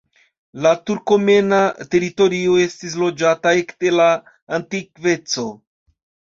La turkmena teritorio estis loĝata ekde la antikveco.